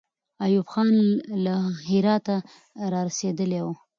ایوب خان له هراته را رسېدلی وو.